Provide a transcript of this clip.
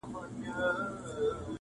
چي د کڼو غوږونه وپاڅوي؛